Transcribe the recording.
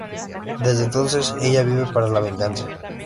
Desde entonces, ella vive para la venganza.